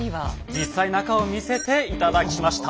実際中を見せて頂きました。